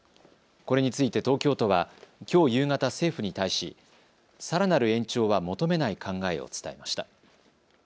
これについて東京都はきょう夕方、政府に対しさらなる延長は求めない考えを伝えました。